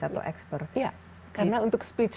atau ekspor karena untuk speech